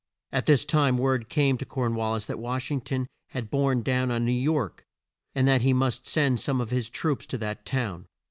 At this time word came to Corn wal lis that Wash ing ton had borne down on New York and that he must send some of his troops to that town.